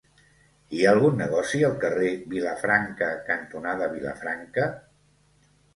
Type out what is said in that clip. Hi ha algun negoci al carrer Vilafranca cantonada Vilafranca?